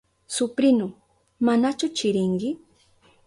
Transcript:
Suprinu, ¿manachu chirinki?